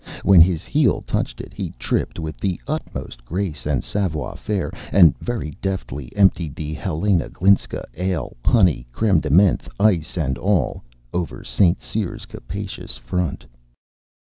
When his heel touched it, he tripped with the utmost grace and savoir faire, and very deftly emptied the Helena Glinsak, ale, honey, creme de menthe, ice and all, over St. Cyr's capacious front.